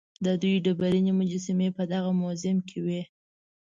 د دوی ډبرینې مجسمې په دغه موزیم کې وې.